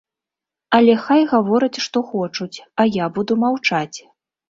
Але хай гавораць, што хочуць, а я буду маўчаць.